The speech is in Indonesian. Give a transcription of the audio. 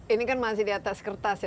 ini kan masih di atas kertas ya